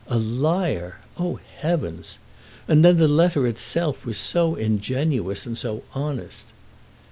A liar! Oh, heavens! And then the letter itself was so ingenuous and so honest!